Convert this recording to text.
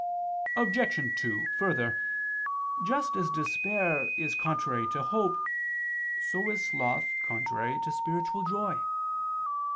Obj. 2: Further, just as despair is contrary to hope, so is sloth contrary to spiritual joy.